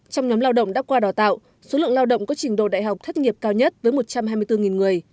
trong nhóm lao động đã qua đào tạo số lượng lao động có trình độ đại học thất nghiệp cao nhất với một trăm hai mươi bốn người